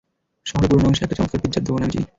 শহরের পুরানো অংশে একটা চমৎকার পিৎজার দোকান চিনি আমি।